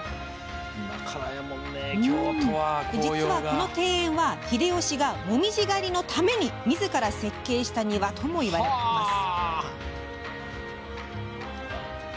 実は、この庭園は秀吉が紅葉狩りのためにみずから設計した庭とも伝わります。